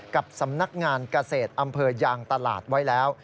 กับสำนักงานเกษตรอำเภอยางตลาดไว้แล้ว